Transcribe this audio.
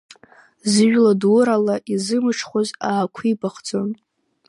Зыжәла дурала изымҽхәоз аақәибахӡон.